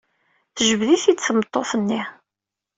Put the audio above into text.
Tejbed-it-id tmeṭṭut-nni.